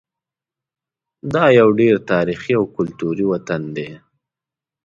دا یو ډېر تاریخي او کلتوري وطن دی.